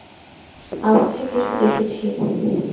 আভাসে কিছু দেখেছি।